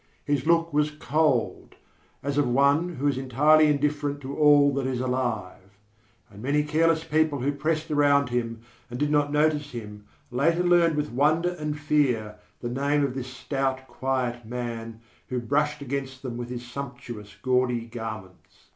His look was cold, as of one who is entirely indifferent to all that is alive. And many careless people who pressed around him, and did not notice him, later learned with wonder and fear the name of this stout, quiet man who brushed against them with his sumptuous, gaudy garments.